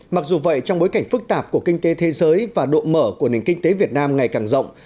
mặc dù vậy trong bối cảnh phức tạp của kinh tế thế giới và độ mở của nền kinh tế việt nam ngày càng rộng